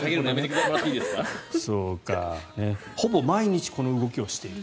ほぼ毎日この動きをしている。